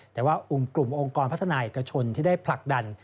แต่ว่ากลุ่มองค์กรพัฒนาเอกชนที่ได้ผลักดัน